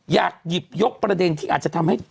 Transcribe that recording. อยากหยิบยกประเด็นที่อาจจะทำให้